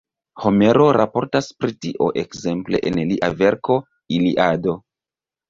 Homero raportas pri tio ekzemple en lia verko Iliado.